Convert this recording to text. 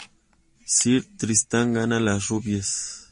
Sir Tristán gana los rubíes.